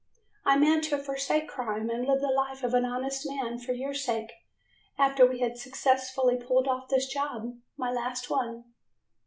I meant to forsake crime and live the life of an honest man for your sake after we had successfully pulled off this job my last one."